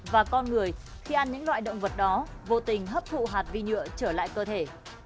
và con người khi ăn những loại động vật đó vô tình hấp thụ hạt vi nhựa trở lại cơ thể